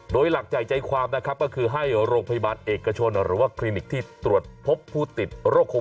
โดยหลักใจใจความนะครับก็คือให้โรงพยาบาลเอกชนหรือว่าคลินิกที่ตรวจพบผู้ติดโรคโควิด